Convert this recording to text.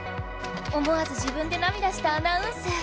思わず自分で涙したアナウンス。